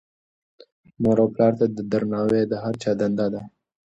مور او پلار ته درناوی د هر چا دنده ده.